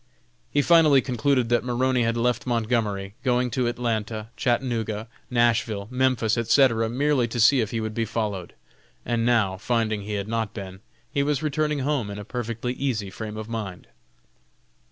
He finally concluded that Maroney had left Montgomery, going to Atlanta, Chattanooga, Nashville, Memphis, etc., merely to see if he would be followed, and now, finding he had not been, he was returning home in a perfectly easy frame of mind.